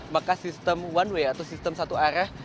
maka sistem one way atau sistem satu arah